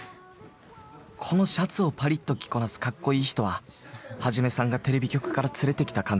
このシャツをパリッと着こなすかっこいい人は一さんがテレビ局から連れてきた監督。